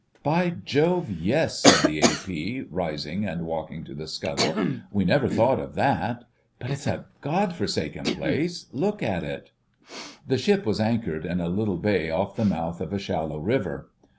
"By Jove, yes," said the A.P., rising and walking to the scuttle. "We never thought of that. But it's a God forsaken place—look at it." The ship was anchored in a little bay off the mouth of a shallow river.